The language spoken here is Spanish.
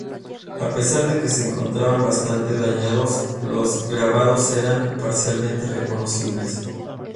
A pesar de que se encontraban bastante dañados, los grabados eran parcialmente reconocibles.